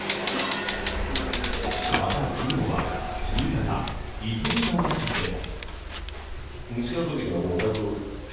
また昨日は新潟・糸魚川市でも。